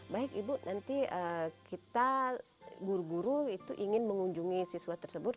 baik ibu nanti kita guru guru itu ingin mengunjungi siswa tersebut